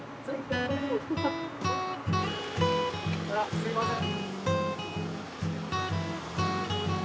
すみません。